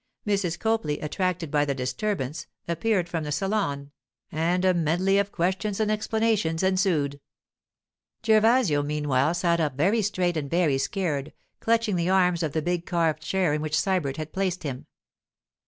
Mrs. Copley, attracted by the disturbance, appeared from the salon, and a medley of questions and explanations ensued. Gervasio, meanwhile, sat up very straight and very scared, clutching the arms of the big carved chair in which Sybert had placed him.